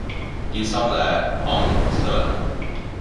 尼桑莱昂瑟兰。